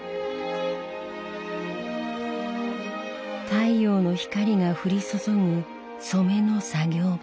太陽の光が降り注ぐ染めの作業場。